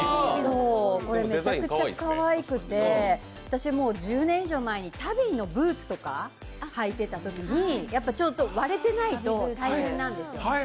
これ、めちゃくちゃかわいくて、私、もう１０年以上前に足袋のブーツとか履いてたときに割れてないと大変なんですよ。